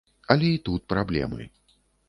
Але і тут праблемы.